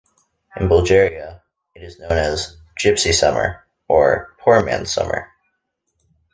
In Bulgaria, it is known as "gypsy summer" or "poor man's summer".